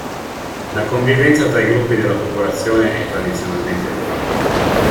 La convivenza tra i gruppi della popolazione è tradizionalmente buona.